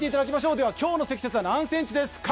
では今日の積雪は何メートルですか。